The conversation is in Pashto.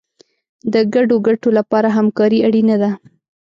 د ګډو ګټو لپاره همکاري اړینه ده.